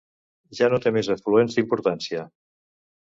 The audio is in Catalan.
Ja no té més afluents d'importància.